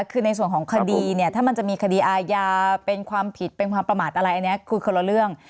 คือในส่วนของคดีเนี่ยถ้ามันจะมีคดีอาญาเป็นความผิดเป็นความประมาทอะไรอันนี้คือคนละเรื่อง